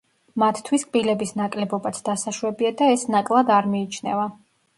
მათთვის კბილების ნაკლებობაც დასაშვებია და ეს ნაკლად არ მიიჩნევა.